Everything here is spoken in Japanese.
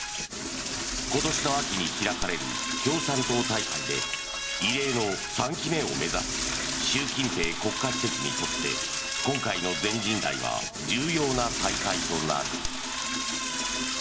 今年の秋に開かれる共産党大会で異例の３期目を目指す習近平国家主席にとって今回の全人代は重要な大会となる。